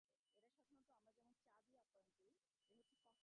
রজ্জুই দেখছেন, সাপ দেখছেন না।